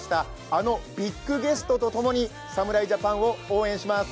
あのビッグゲストとともに、侍ジャパンを応援します。